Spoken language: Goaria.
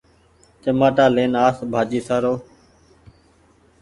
چمآٽا لين آس ڀآڃي سآرو